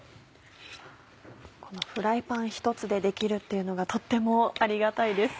このフライパン１つでできるっていうのがとってもありがたいです。